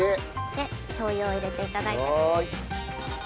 でしょう油を入れて頂いて。